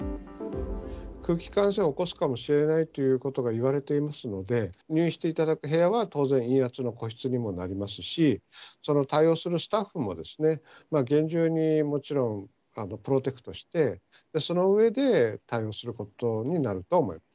空気感染を起こすかもしれないということが言われていますので、入院していただく部屋は当然陰圧の個室にもなりますし、その対応するスタッフも厳重にもちろん、プロテクトして、その上で対応することになるとは思います。